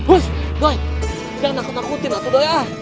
ust doi jangan nakut nakuti waktu doi ah